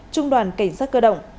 trung đoàn cảnh sát cơ động